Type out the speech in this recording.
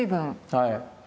はい。